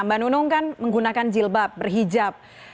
mbak nunung kan menggunakan jilbab berhijab